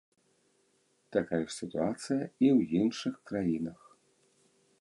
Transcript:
Такая ж сітуацыя і ў іншых краінах.